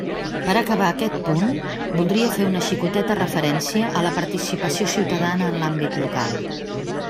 Per a acabar aquest punt, voldria fer una xicoteta referència a la participació ciutadana en l'àmbit local.